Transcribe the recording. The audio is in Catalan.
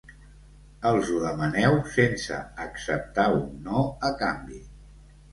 Els ho demaneu sense acceptar un no a canvi.